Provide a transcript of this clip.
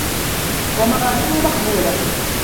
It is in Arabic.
وَمَغَارِمُهُ مَخْبُورَةً